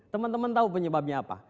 teman teman tahu penyebabnya apa